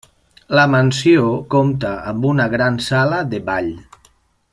La mansió compta amb una gran sala de ball.